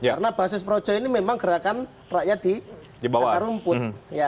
karena basis projo ini memang gerakan rakyat di akar rumput